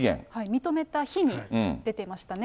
認めた日に出てましたね。